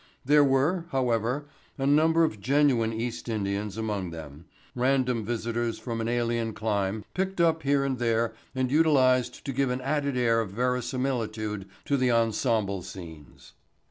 There were, however, a number of genuine East Indians among them, random visitors from an alien clime picked up here and there and utilized to give an added air of verisimilitude to the ensemble scenes.